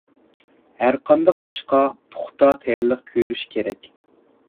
ھەرقانداق ئىشقا پۇختا تەييارلىق كۆرۈش كېرەك.